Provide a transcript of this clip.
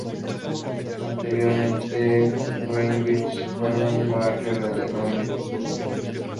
Anteriormente Greenwich fue un barrio de Londres.